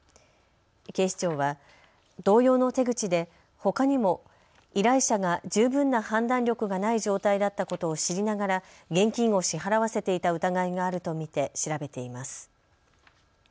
警視庁は同様の手口でほかにも依頼者が十分な判断力がない状態だったことを知りながら現金を支払わせていた疑いがあると見て調べています。